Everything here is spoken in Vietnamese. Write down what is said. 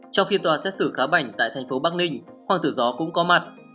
trong phiên tòa xét xử khá bảnh tại thành phố bắc ninh hoàng tử gió cũng có mặt